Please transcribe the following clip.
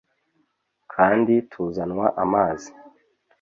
kandi tuzanywa amazi